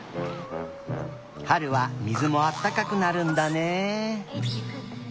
はるはみずもあったかくなるんだね。